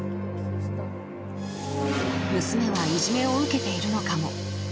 ［娘はいじめを受けているのかも］